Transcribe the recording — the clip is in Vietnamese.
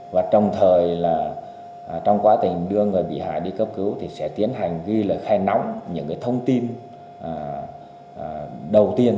và đồng thời là trong quá trình đưa người bị hại đi cấp cứu thì sẽ tiến hành ghi lời khai nóng những thông tin đầu tiên